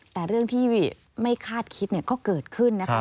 แต่เรื่องที่ไม่คาดคิดก็เกิดขึ้นนะคะ